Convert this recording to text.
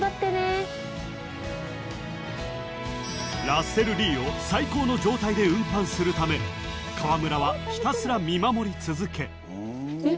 ［ラッセルリーを最高の状態で運搬するため川村はひたすら見守り続け］